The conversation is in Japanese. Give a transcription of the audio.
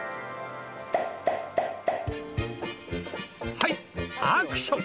はいアクション。